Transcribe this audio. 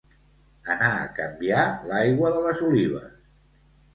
Anar a canviar l'aigua de les olives